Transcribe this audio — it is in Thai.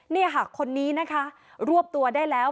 นี่ค่ะคนนี้นะคะรวบตัวได้แล้ว